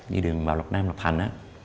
đi đường vào lộc nam lộc thành